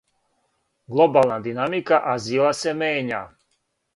Глобална динамика азила се мења.